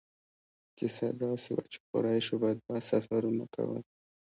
کیسه داسې وه چې قریشو به دوه سفرونه کول.